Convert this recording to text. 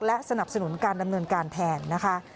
และสนับสนุนการดำเนินการแทนนะคะ